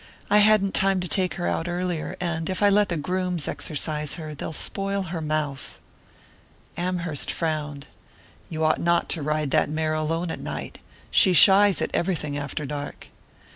I hadn't time to take her out earlier, and if I let the grooms exercise her they'll spoil her mouth." Amherst frowned. "You ought not to ride that mare alone at night. She shies at everything after dark."